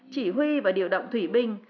chỉ huy và điều động thủy binh